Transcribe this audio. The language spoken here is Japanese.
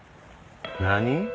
何？